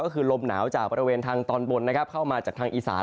ก็คือลมหนาวจากบริเวณทางตอนบนนะครับเข้ามาจากทางอีสาน